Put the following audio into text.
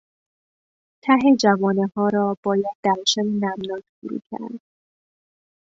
ته جوانهها را باید در شن نمناک فرو کرد.